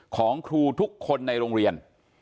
ของครูทุกคนในโรงเรียน